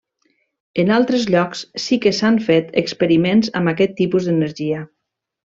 En altres llocs sí que s'han fet experiments amb aquest tipus d'energia.